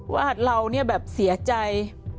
ว่าเราเสียใจ